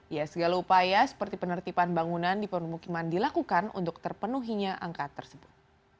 ya segala upaya seperti penertiban bangunan di permukiman dilakukan untuk terpenuhinya angka tersebut